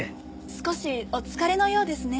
少しお疲れのようですね。